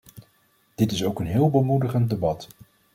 Dit is ook een heel bemoedigend debat.